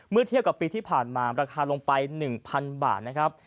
เทียบกับปีที่ผ่านมาราคาลงไป๑๐๐๐บาทนะครับ